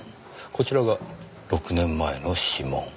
こちらが６年前の指紋。